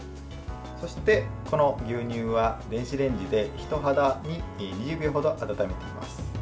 そして、この牛乳は電子レンジで人肌に２０秒ほど温めておきます。